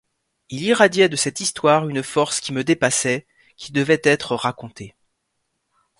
Il irradiait de cette histoire une force qui me dépassait, qui devait être racontée.